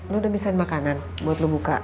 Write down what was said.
lo udah desain makanan buat lo buka